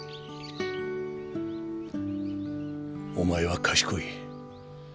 お前は賢い。